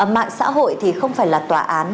mạng xã hội thì không phải là tòa án